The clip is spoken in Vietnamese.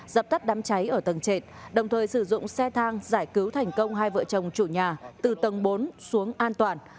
dập tắt đám cháy ở tầng trệt đồng thời sử dụng xe thang giải cứu thành công hai vợ chồng chủ nhà từ tầng bốn xuống an toàn